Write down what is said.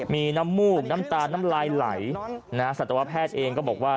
มีน้ำมูกน้ำตาลน้ำลายไหลสัตวแพทย์เองก็บอกว่า